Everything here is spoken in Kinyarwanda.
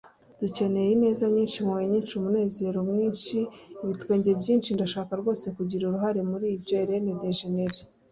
dukeneye ineza nyinshi, impuhwe nyinshi, umunezero mwinshi, ibitwenge byinshi. ndashaka rwose kugira uruhare muri ibyo. - ellen degeneres